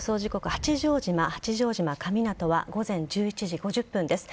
八丈島八丈島神湊は午前１１時５０分です。